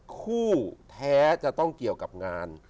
คู่แท้จะต้องเกี่ยวกับงาน